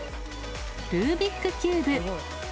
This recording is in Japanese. ルービックキューブ。